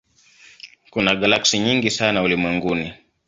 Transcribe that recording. Kuna galaksi nyingi sana ulimwenguni.